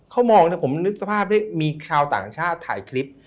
เขามองนะผมนึกสภาพได้มีชาวต่างชาติถ่ายคลิป